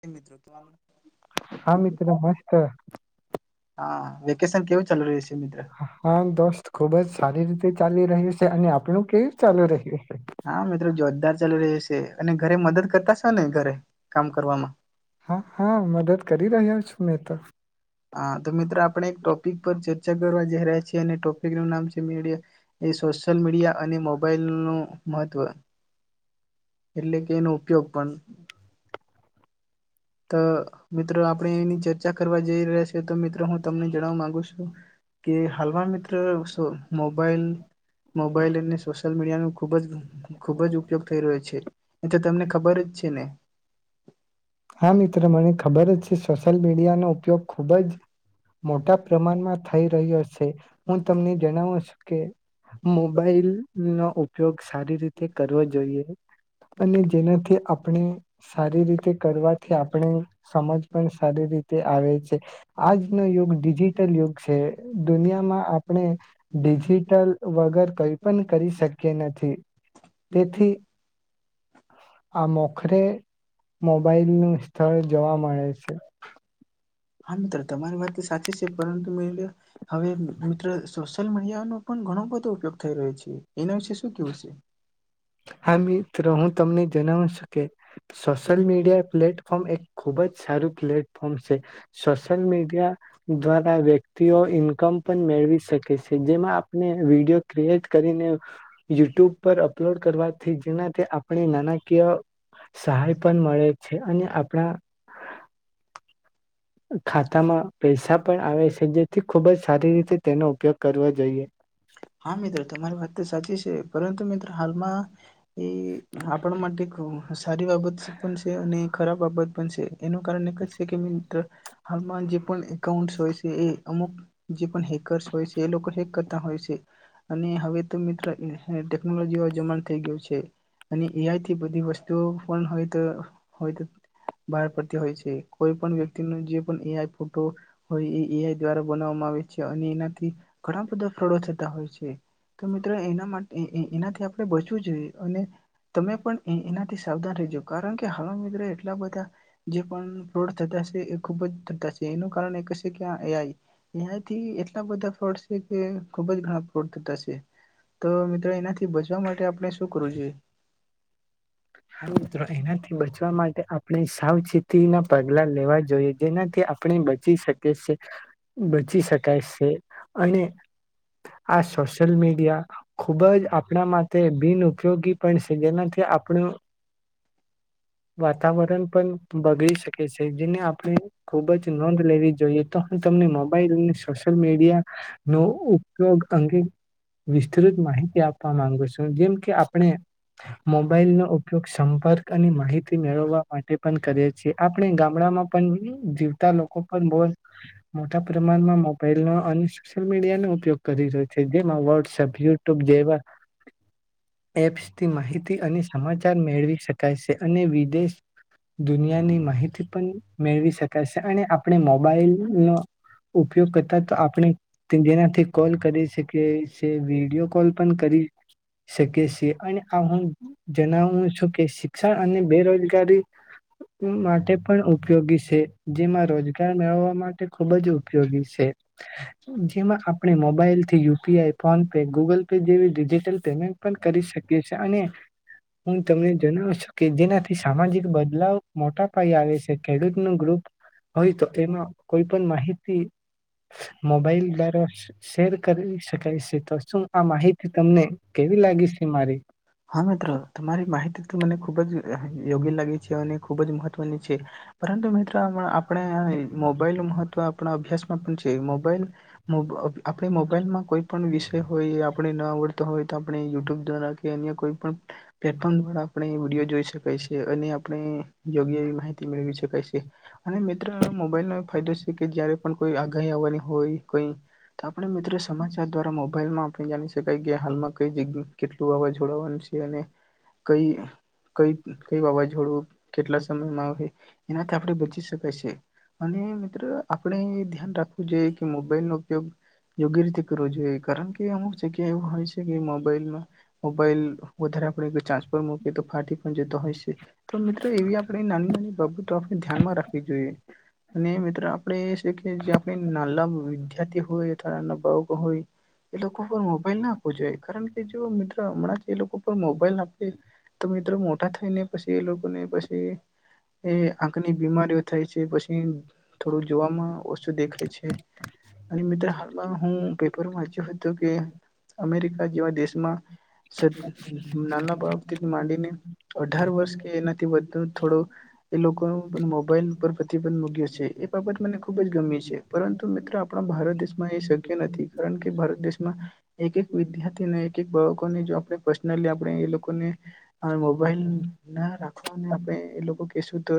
કે મિત્રો તો આનું હા હા દોસ્ત ખુબ જ સારી રીતે ચાલી રહ્યું છે અને આપણું કેવ ચાલુ રહ્યું છે. ચાલુ ર છે અને ઘરે મદદ પતા છે ને ઘરે કામ કરવામાં હા હા મદદ કરી રહ્યા છું. એ તો હા તો મિત્રો આપણે એક ટોપિક પર ચર્ચા કરવા જઈ રહ્યા છીએ અને ટોપિકનું નામ છે મીડિયા એ સોશિયલ મીડિયા અને મોબાઈલ નું મહત્વ એટલે કે એનો ઉપયોગ પણ તો મિત્રો આપણે એની ચર્ચા કરવા જઈ રહ્યા છએ તો મિત્રો હું તમને જણાવવા માંગુ છું કે હાલમાં મિત્રો મોબાઈલ મોબાઈલ અને સોશિયલ મીડિયા ન ખૂબ જ ખૂબ જ ઉપયોગ થઈ રહ્યો છે. એ તો તમને ખબર જ છે ને હા મિત્ર મને ખબર છે સોશયલ મીડિયાનોો ઉપયોગ ખુબ જ મોટા પ્રમાણમાં થઈ રહ્યો છે હું તમને જણાવું છું કે મોબાઈલ નો ઉપયોગ સારી રીતે કરવો જોઈએ અને જેનાથી આપણે સારી રીતે થી આપણે સમજ પણ સારી રીતે આવે છે આજનો યુગ ડિજિટલ યુગ છે દુનિયામાં આપણે ડિજિટલ વગર કઈ પણ કરી શકીએ નથી તેથી આ મોખરે મોબાઈલનુ સ્થળ જોવા મળે છે. હા મિત્ર, તમારી વાત તો સાચી છે, પરંતુ [unintelligible] હવે મિત્ર, સોશિયલ મીડિયાનો પણ ઘણો બધો ઉપયોગ થઈ રહ્યો છે, એના વિશે શું કહેવું છે? હા મિત્ર, હું તમને જણાવું છું કે સોશિયલ મીડિયા પ્લેટ પ્લેટફોર્મ એક ખૂબ જ સારું પ્લેટફોર્મ છે. સોશિયલ મીડિયા દ્વારા વ્યક્તિઓ ઇન્કમ પણ મેળવી શકે છે, જેમાં આપણે વીડિયો ક્રિએટ કરીને યુટ્યુબ પર અપ અપલોડ કરવાથી, જેનાથી આપણને નાણાકીય સહાય પણ મળે છે અને આપણા ખાતામાં પૈસા પણ આવે છે, જેથી ખૂબજ સારી રીતે તેનો ઉપયોગ કરવો જોઈએ. એ આપણા માટે સારી બાબત પણ છે અને ખરાબ બાબત પણ છે એનું કારણ એક જ છે કે, મિત્ર હાલમાં જે પણ એકાઉન્ટ હોય છે, એ અમુક જે પણ હેકર્સ હોય છે, એ લોકો હેક કરતા હોય છે અને હવે તો મિત્ર ત્ર ટેકનોલોજીનો જમાનો થઈ ગયો છે અને એ આઈથી બધી વસ્તુઓ પણ હવે તો, હવે બહાર પડતી હોય છે, કોઈ પણ વ્યક્ તી એ આઈ તો હોઇ એ આઇ દ્વારા બનાવ મા આવે છે અને એનાથી ઘણા બધા ફ્રોડ થતા હોય છે, તો મિત્રો, એના માટે એનાથી આપણે બચવું જોઈએ અને તમે પણ એનાથી સાવધાન રહેજો. કારણ કે હવે મિત્રો, એટલા બધા જે પણ ફ્રોડ થતા સે એ ખુબજ થતાસે એનું કારણ એકજ છે. એઆઈ [unintelligible] બધા [unintelligible] કે ખુબ જ ઘણા ફ્રોડ થતા છે. તો મિત્રો એનાથી બચવુ [unintelligible] માટે આપણે શું કરવું જોઈએ. હા મિત્રો, એનાથી બચવા માટે આપણે સાવચેતીના પગલાં લેવા જોઈએ, જેનાથી આપણે બચી શકીએ છીએ બચી શકાય છે. અને આ સોશિયલ મીડિયા ખૂબ જ આપણા માટે બિનઉપયોગી પણ છે, જેનાથી આપણું વાતાવરણ પણ બગડી શકે છે. જેને [inaudible] [inaudible] ખૂબ જ નોંધ લેવી જોઈએ. તો હું તમને મોબાઈલ અને સોશિયલ મીડિયાના ઉપયોગ અંગે વિસ્તૃત માહિતી આપવા માંગું છું, જેમ કે આપણે મોબાઈલનો ઉપયોગ સંપર્ક અને માહિતી [inaudible] મેળવવા માટે પણ કરીએ છીએ. આપણે ગામડામાં પણ જીવતા લોકો પણ બો મોટા પ્રમાણમાં મોબાઈલનો અને સોશિયલ મીડિયાનો ઉપયોગ કરી રહ્યા છે. જેમાં વોટ્સએપ, યુટ્યુબ જેવી એપ્સથી માહિતી અને સમાચાર મેળવી શકાય છે. અને વિદેશ દુનિયાની માહિતી પણ મેળવી શકાય શે અને આપણે મોબાઈલ ન ઉપયોગ કરતા તો આપણે જેનાથી કોલ કરી શકીયે શે વિડીયો કોલ પણ કરી શકીએ છીએ અને આ હું જણાવું છું કે શિક્ષ અને બેરોજગારી માટે પણ ઉપયોગી છે. જેમાં રોજગાર મેળવવા માટે ઉપયોગી છે. જેમાં આપણે મોબાઈલથી U P I PhonePe Google Pay જેવી ડિજિટલ પેમેન્ટ પણ કરી શકીએ છી અને હું તમને જણાવું છું કે જેનાથી સામાજિક બદલાવ મોટા પાયે આવે છે ખેડૂત નુ ગ્રુપ હોય તો તેમાં કોઈ પણ મોબાઈલ દ્વારા શેર કરી શકાય છે. તો શું આ માહિતી તમને કેવી લાગી છે મારી? યોગ્ય લાગી છે હને ખુબ જ મહત્વની છે. પરંતુ મિત્ર આપ આપણે મોબાઈલ મહ તો આપણા અભ્યાસમાં પણ છે. મોબાઈલ આપણે મોબાઈલમાં કોઈ પણ વિષય હોય એ આપણે ન આવડતો હોય તો આપણે યુટ્યુબ દ્વારા કેન યા કોઈ પણ પ્લેટફોર્મ દ્વારા આપણે વિડીયો જોઈ શકાય છે અને આપણે યોગ્ય એ માહિતી મેળવી શકાય છે અને મિત્ર મોબાઈલ ફાયદો છ કે જયારે પણ કોઈ આગાહી આવવાની હોય કોઈ આપણે મિત્રો સમાચલ દ્વારા મોબાઈલમાં આપણે જાણી શકાય કે હાલમાં કઈ જગ્યા કેટલું વાવાઝોડુ આવાનું છે. અને કઈ કઈ કઈ વાવાઝોડું કેટલા સમયમાં આવેહે એનાથી આપણે બચી શકાય છે અને મિત્ર આપણે ધ્યાન રાખવું જોઈએ કે મોબાઈલનો ઉપયોગ યોગ્ય રીતે કરવો જોઈએ કારણ કે અમુક જગ્યા એવું હોય છે કે મોબાઈલમાં મોબાઈલ વધારે આપણે ચાર્જ પર મૂકીએ તો ફાટી પણ જતો હોય છે તો મિત્રો એવી આપણે નાની નાની બાબતો આપણે ધ્યાનમાં રાખવી જોઈએ. અને મિત્રો આપણે છે કે જે આપણે નાલા વિદ્યાર્થી હોય અથવ [unintelligible] હોય એ લોકો પર મોબાઈલ ના આપવો જોઈએ કારણ કે જો મિત્રો હમણાં એ લોકો પર મોબાઈલ આપે તો મિત્રો મોટા થઈને પછી એ લોકોને પછી એ આંખની બીમારીઓ થય છે પછી. થોડું જોવામાં ઓછુ દેખાય છે અને મિત્ર હાલમાં હું પેપર વાંચ્યો હતો કે અમેરિકા જેવા દેશમાં સદ નાના બાઇક થી માંડીને અઢાર વર્ષ કે એનાથી વધુ થોડું એ લોકો મોબાઈલ પર પ્રતિબંધ મૂક્યો છે. બાબત મને ખૂબ જ ગમી છે પરંતુ મિત્રો આપણા ભારત દેશમાં એ શક્ય નથી કારણ કે ભારત દેશમાં એક એક વિદ્યાર્થીને એક એક બાળકોને જો આપણે પર્સનલી આપણે એ લોકોને મોબાઈલ ના રાખવા ને આપણે એ લોકો કેશું તો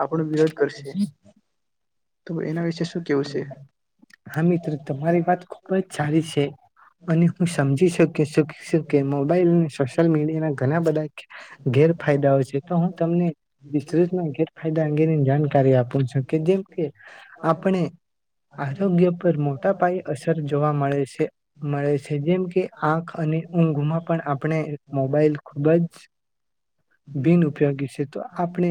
આપણો વિરોધ કરશે. તો એના વિશે શું કેવું છે. હા મિત્રો તમારી વાત ખુબ જ છારી છે અને હું સમજી શકી શકીશું કે મોબાઈલ અને સોશિયલ મીડિયા ના ઘણા બધા ગેરફાયદાઓ છે તો હું તમને વિસ્તૃતના ગેરફાયદા અંગેની જાણકારી આપું છું કે જેમ કે આપણે આર તોગ્ય પર મોટા પાયે અસર જોવા મળે છે મળે છે જેમ કે આંખ અને ઊંઘમાં પણ આપણે મોબાઈલ ખૂબ જ બિન ઉપયોગી શે. તો આપણે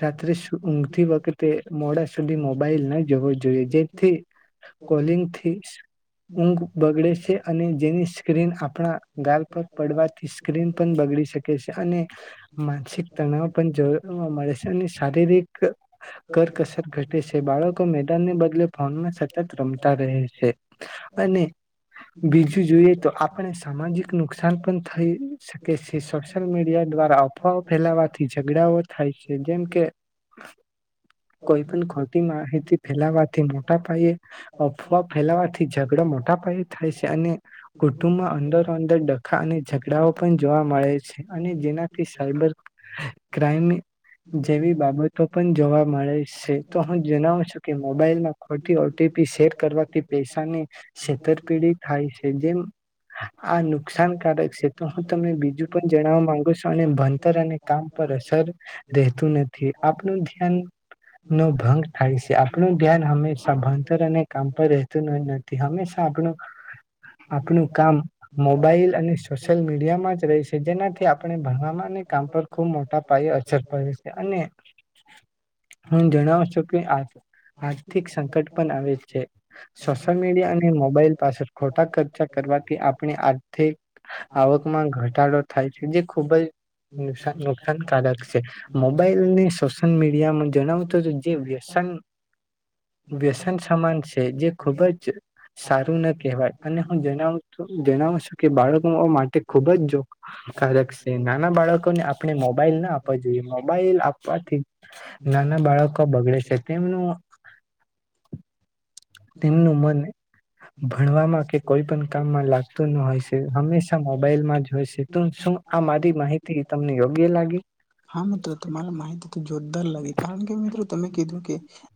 રાત્રે ઊંઘતી વખતે મોડા મોબાઈલ નઈ જવો જ જોઈએ. જેથી કોલિંગથી ઊંઘ બગડે છે અને જેની સ્ક્રીન આપણા ગાલ પર પડવાથી સ્ક્રીન પણ બગડી શકે છે અને માનસિક તણાવ પણ જોવા મળે છે અને શારીરિક કરકસર ઘટે છે. બાળકો મેદાનને બદલે ફોનમાં જ સતત રમતા રહે છે. અને બીજું જોઈએ તો આપને સામાજિક નુકસાન પણ થઈ શકે છે. સોશિયલ મીડિયા દ્વારા અફવાઓ ફેલાવાથી ઝઘડાઓ થાય છે. જેમ કે કોઈ પણ ખોટી માહિતી ફેલાવાથી મોટા એ અફવા ફેલાવાથી ઝઘડો મોટા પાયે થાય છે અને કુટુંબમાં અંદરો અંદર ડખા અને ઝઘડાઓ પણ જોવા મળે છે, અને જેનાથી સાયબર ક્રાઈમ જેવી બાબતો પણ જોવા મળે છે, તો હું જણાવું છું કે મોબાઈલમાં ખો ઓ ટી પી શેર કરવાથી પ છેતરપીંડી થાય છે જેમ આ નુકસાનકારક છે, તો હું તમે બીજું પણ જણાવવા માંગુ છો અને ભણતર અને કામ પર અસર રહેતું નથી આપણું ધ્યાનનો ભંગ થાય છે આપણું ધ્યાન હંમેશ માં ભણતર અને કામ પર રહેતું ન નથી હંમેશા આપણું આપણું કામ મોબાઈલ અને સોશિયલ મીડિયામાં જ રહે છે, જેનાથી આપણે ભણવામાં અને કામ પર ખુબ મોટા પાયે અસર પડે છે, અને હું જણાવ છું કે આર્થિક સંકટ પણ આવે જ છે. સોશિલ મીડિયા અને મોબાઈલ પાછળ ખોટા ખર્ચા કરવાથી આપણી આર્થિક આવકમાં ઘટાડો થાય છે જે ખૂબ જ નુકસાન નુકસાનકારક છે મોબાઈલને સોશિલ મીડિયામાં જણાવતો જે વ્યસન વ્યસન સામાન છે જે ખૂબ જ સારું ન કહેવાય અને હું જણાવ જણાવું છું કે બાળકો માટે ખૂબ જ જોકારક છે નાના બાળકોને આપણે મોબાઈલ ના આપવા જોઈએ મોબાઈલ આપવાથી નાના બાળકો બગડે છે તેમનું તેમનું મન ભણવામાં કે કોઈ પણ કામમાં લાગતું ન હોય છે, હંમેશા મોબાઈલમાં જ હોય છે, તો શું આ મારી માહિતી તમને યોગ્ય લાગે?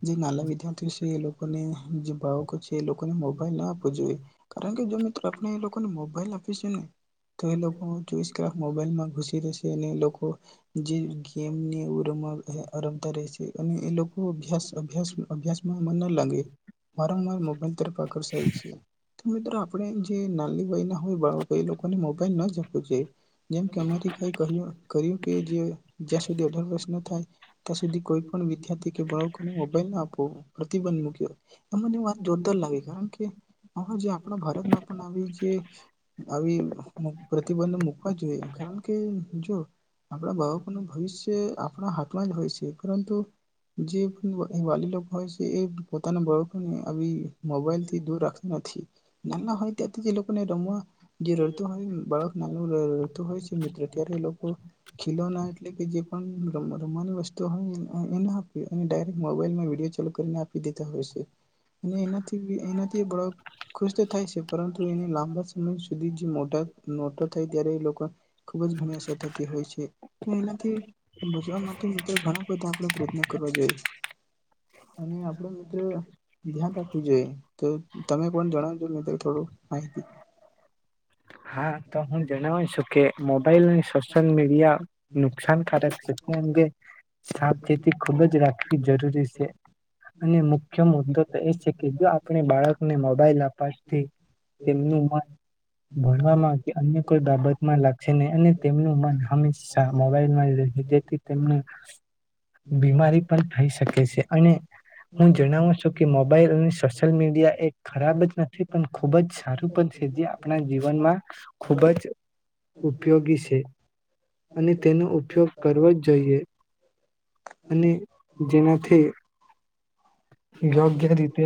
જે નાન્લા વિદ્યાર્થીઓ છે એ લોકોને જે ભાવકો છે એ લોકોને મ મોબાઈલ ના આપવો જોઇએ કારણ કે જો મિત્ર આપણે એ લોકોને મો. [unintelligible] તો એ લોકો ચોવીસ કલાક મોબાઈલમાં ઘુસી રહેશે. તેને એ લોકો જે ગેમની હો રમવા [unintelligible] રમતા રહે છે અને એ લોકો અભ્યાસ અભ્યાસ અભ્યાસ એવું મને લાગે વારંવાર મોબાઈલ તરફ આકર્ષાય છે, તો મિત્રો આપણે જે ના [unintelligible] વયના હોય બાળકો એ લોકોને મોબાઈલ ના જ આપવો જોઇયે. જેમ કે અમેરિકાએ કહ્યું કર્યું કે જે જ્યાં સુધી અઢાર વરસ ન થાય ત્યાં સુધી કોઈ પણ વિદ્યાર્થી કે બાળકોને મોબાઈલ ના આપ્યો, પ્રતિબંધ મૂક્યો. મને વાત જોરદાર લાગે કારણ કે હ જે આપણા ભારતમાં પણ આવી જે આવી આપણા ભારતમાં પણ આવી પ્રતિબંધ મુૂકવા જોઈએ કારણ કે જો આપણા બાળકોનું ભવિષ્ય આપણા હાથમાં જ હોય છે પરંતુ જે વાલી લોગ હોય છે એ તન બળકોને અભી મોબાઈલ થી દૂર રાખતા નથી નાના હોય ત્યાંથી જે લોકોને તમા જે રડતો હોય બાળક નાનો રડતો હોય છે મિત્ર ત્યારે એ લોકો ખિલોના એટલે કે જે પણ રમવાની વસ્તુ હોય એ ના આપી અને ડાયરેક્ટ મોબાઈલમાં વિડીયો ચાલુ કરીને આપી દે [unintelligible] અને એનાથી એનાથી એ બાળક ખુશ તો થાય છે પરંતુ એને લાંબા સમય મોટા મોટા થાય ત્યારે એ લોકો ખુબ જ ઘણી અસર થતી હોય છે તો એનાથી બચવા માટે મિત્ર ઘણા બધા આપો પ્રયત્ન કરવા જોઈ અને આપણે ધ્યાન રાખવી જોઈએ તો તમે કોણ જણાવજો મ ત થોડું માહિતી હા તો હું જણાવું છું કે મોબાઈલ અને સોશિયલ મીડિયા નુકસાનકારક કેમકે સાવચેતી ખુબ જ રાખવી જરૂરી છે અને મુખ્ય મુદ્દો તો એ છે કે જો આપણે બાળકને મોબાઈલ આપવાથી તેમનું મન ભણવામાં કે અન્ય કોઈ બાબતમાં લાગશે નહી અને તેમનું મન હંમેશા મોબાઈલમાં જ રહે જેથી તેમને બીમારી પણ થઈ શકે છે અને હું જણાવું છું કે મોબાઈલ અને સોશિયલ મીડિયા એ ખરાબ જ નથી પણ ખુબ જ સારું પણ છે જે આપ જીવનમાં ખૂબ જ ઉપયોગી છે અને તેનો ઉપયોગ કરવો જ જોઈએ. અને જેનાથી યોગ્ય રીતે